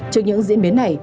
trước những diễn biến này